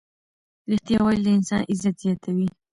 ریښتیا ویل د انسان عزت زیاتوي.